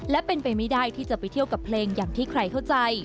และเป็นไปไม่ได้ที่จะไปเที่ยวกับเพลงอย่างที่ใครเข้าใจ